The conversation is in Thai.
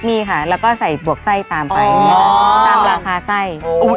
มีค่ะแล้วก็ใส่บวกไส้ตามไปตามราคาไส้